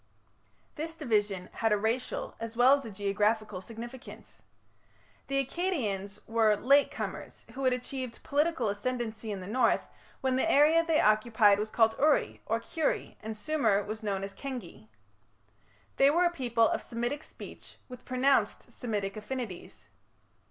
This division had a racial as well as a geographical significance. The Akkadians were "late comers" who had achieved political ascendency in the north when the area they occupied was called Uri, or Kiuri, and Sumer was known as Kengi. They were a people of Semitic speech with pronounced Semitic affinities.